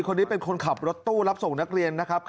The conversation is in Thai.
คนนี้เป็นคนขับรถตู้รับส่งนักเรียนนะครับ